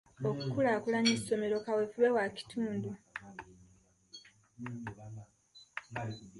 Okukulaakulanya essomero kaweefube wa kitundu.